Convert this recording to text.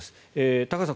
高橋さん